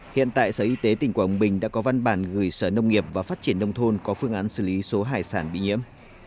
hiện tại sở y tế tỉnh quảng bình đã có văn bản gửi sở nông nghiệp và phát triển nông thôn có phương án xử lý số hải sản bị nhiễm